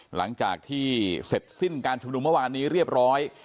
หลังจากที่เสร็จสิ้นการชุมนุมเมื่อวานนี้เรียบร้อย